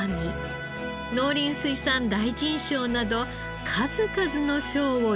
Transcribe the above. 農林水産大臣賞など数々の賞を受賞しています。